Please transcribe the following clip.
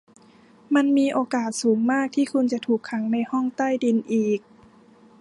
มันมีโอกาสสูงมากที่คุณจะถูกขังในห้องใต้ดินอีก